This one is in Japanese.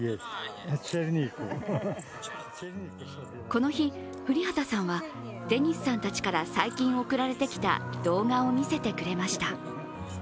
この日、降籏さんはデニスさんたちから最近送られてきた動画を見せてくれました。